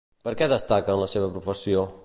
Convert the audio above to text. Per què destaca en la seva professió?